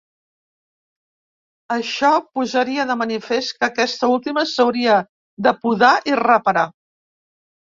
Això posaria de manifest que aquesta última s'hauria de podar i reparar.